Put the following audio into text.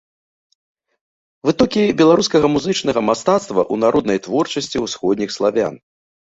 Вытокі беларускага музычнага мастацтва ў народнай творчасці ўсходніх славян.